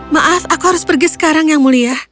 maaf aku harus pergi sekarang yang mulia